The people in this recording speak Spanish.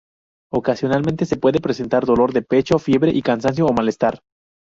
Ocasionalmente se puede presentar dolor de pecho, fiebre y cansancio o malestar.